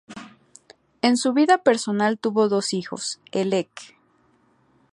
En su vida personal tuvo dos hijos el Ec.